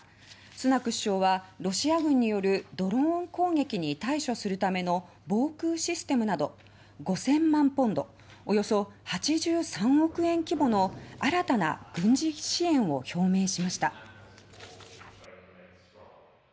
スナク首相はロシア軍によるドローン攻撃に対処するための防空システムなど５０００万ポンドおよそ８３億円規模の新たな軍事支援を表明しました。